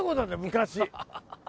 昔。